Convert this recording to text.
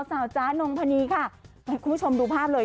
สาวจ๊ะนองพะนีค่ะคุณผู้ชมดูภาพเลย